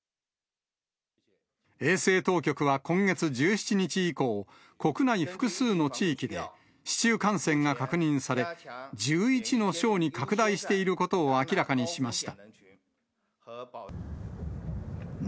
衛生当局は今月１７日以降、国内複数の地域で、市中感染が確認され、１１の省に拡大していることを明らかにしました。